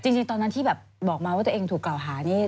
จริงตอนนั้นที่แบบบอกมาว่าตัวเองถูกกล่าวหานี่